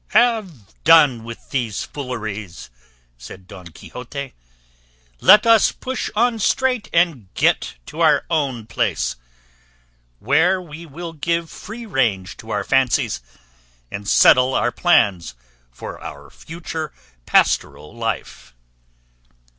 "Have done with these fooleries," said Don Quixote; "let us push on straight and get to our own place, where we will give free range to our fancies, and settle our plans for our future pastoral life."